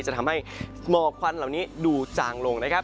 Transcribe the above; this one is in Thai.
จะทำให้หมอกควันเหล่านี้ดูจางลงนะครับ